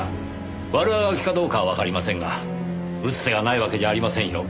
悪あがきかどうかはわかりませんが打つ手がないわけじゃありませんよ。